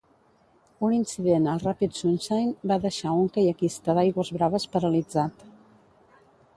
Un incident al ràpid "Sunshine" va deixar un caiaquista d'aigües braves paralitzat.